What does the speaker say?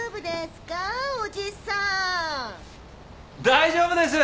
大丈夫です。